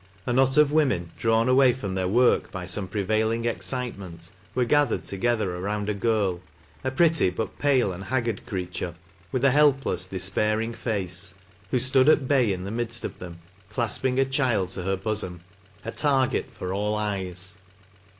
A knot of women drawn away from their work by some prevailing excite ment, were gathered together around a girl — a pretty but pale and haggard creature, with a helpless despairing face — who stood at bay in the midst of them, clasping a child to her bosom — a target for all eyes.